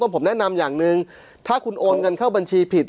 ผมแนะนำอย่างหนึ่งถ้าคุณโอนเงินเข้าบัญชีผิด